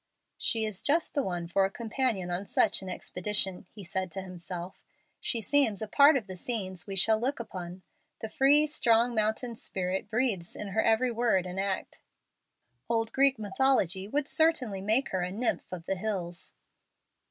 "She is just the one for a companion on such an expedition," he said to himself. "She seems a part of the scenes we shall look upon. The free, strong mountain spirit breathes in her every word and act. Old Greek mythology would certainly make her a nymph of the hills."